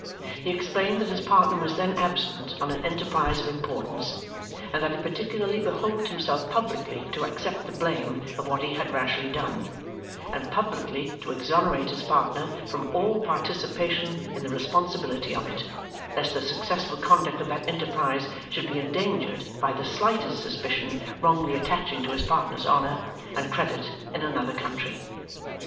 He explained that his partner was then absent on an enterprise of importance, and that it particularly behoved himself publicly to accept the blame of what he had rashly done, and publicly to exonerate his partner from all participation in the responsibility of it, lest the successful conduct of that enterprise should be endangered by the slightest suspicion wrongly attaching to his partner's honour and credit in another country.